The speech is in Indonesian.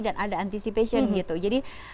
dan ada anticipation gitu jadi